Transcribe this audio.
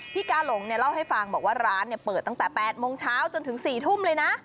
กาหลงเนี่ยเล่าให้ฟังบอกว่าร้านเปิดตั้งแต่๘โมงเช้าจนถึง๔ทุ่มเลยนะ